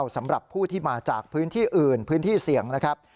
สำหรับผู้ที่มาจากพื้นที่อื่นพื้นที่เสี่ยงนะครับ